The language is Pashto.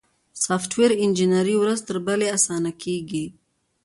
سافټویر انجینري ورځ تر بلې اسانه کیږي.